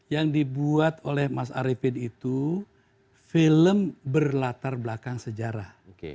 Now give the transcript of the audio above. yang dibuat oleh mas arifin itu film berlatar belakang sejarah